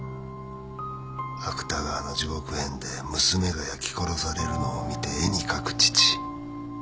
芥川の『地獄変』で娘が焼き殺されるのを見て絵に描く父